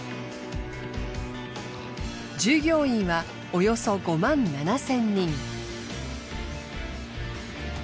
従業員はおよそ５万７，０００人。